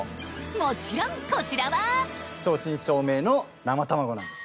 もちろんこちらは正真正銘の生卵なんです。